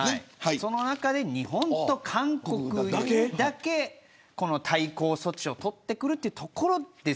その中に日本と韓国だけ対抗措置を取ってくるというところです。